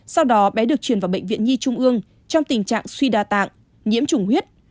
sau đó bé được chuyển vào bệnh viện nhi trung ương trong tình trạng suy đa tạng nhiễm trùng huyết